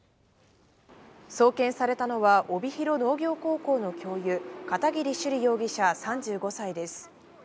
送検されたのは、帯広農業高校の教諭、片桐朱璃容疑者３５歳です。